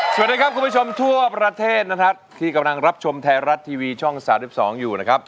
สวัสดีครับคุณผู้ชมทั่วประเทศนะครับที่กำลังรับชมไทยรัฐทีวีช่อง๓๒อยู่นะครับ